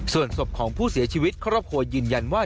ส่วนศพของผู้เสียชีวิตครอบครัวยืนยันว่า